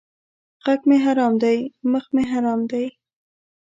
ږغ مې حرام دی مخ مې حرام دی!